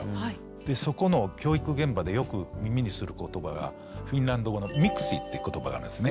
そこの教育現場でよく耳にする言葉がフィンランド語の「Ｍｉｋｓｉ」って言葉があるんですね。